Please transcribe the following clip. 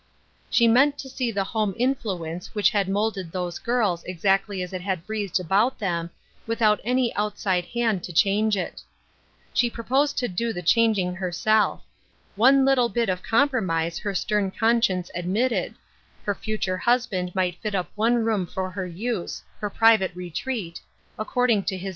She meant to see the home influence which had molded those girls exactly as it had breathed about them, without any outside hand to change it. She proposed to do the changing herself. One little bit of compromise her stern conscience admitted — her future husband might fit up one room for her use — her private retreat — according to his 268 Ruth Er8\ine's Crosses.